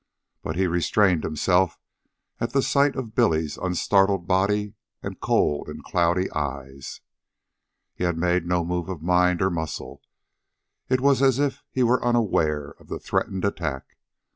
But he restrained himself at sight of Billy's unstartled body and cold and cloudy eyes. He had made no move of mind or muscle. It was as if he were unaware of the threatened attack.